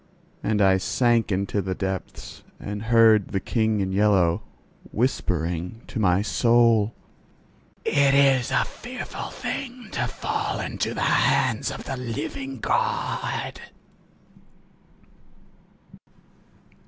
Then I sank into the depths, and I heard the King in Yellow whispering to my soul: "It is a fearful thing to fall into the hands of the living God!"